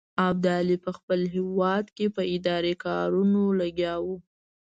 ابدالي په خپل هیواد کې په اداري کارونو لګیا وو.